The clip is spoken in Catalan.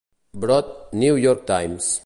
Broad, "New York Times".